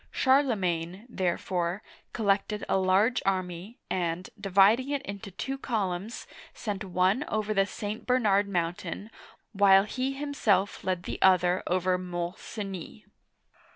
Charlemagne, therefore, collected a large army and, dividing it into two columns, sent one over the St. Bernard' Mountain, while he himself led the other over Mont Cenis (m6N se nee').